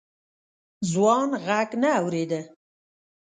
ځوان غږ نه اورېده.